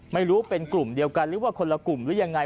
ไม่รู้เป็นกลุ่มเดียวกันหรือว่าคนละกลุ่มหรือยังไง